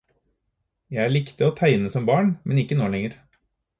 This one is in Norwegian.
Jeg likte å tegne som barn, men ikke nå lenger.